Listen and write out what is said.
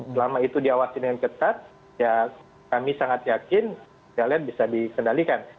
selama itu diawasin yang ketat ya kami sangat yakin kita bisa dikendalikan